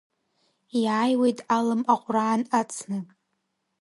Иааиуеит АлымАҟәараан ацны.